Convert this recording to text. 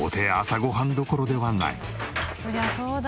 そりゃそうだ。